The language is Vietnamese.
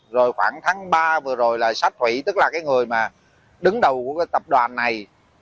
rồi khoảng tháng ba vừa rồi là sát thủy tức là cái người mà đứng đầu của cái tập đoàn này